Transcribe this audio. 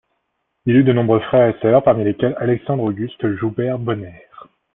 Il eut de nombreux frères et sœurs parmi lesquels Alexandre Auguste Joubert-Bonnaire.